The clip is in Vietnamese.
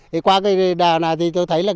thì qua cái đào này tôi thấy là